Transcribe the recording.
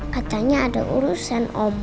katanya ada urusan om